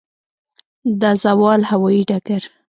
د زاول هوايي ډګر